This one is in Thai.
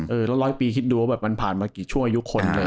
เออแล้วร้อยปีคิดดูว่ามันผ่านมากี่ชั่วอายุคน